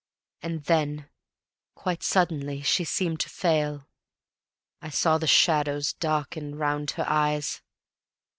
And then quite suddenly she seemed to fail; I saw the shadows darken round her eyes.